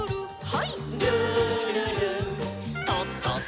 はい。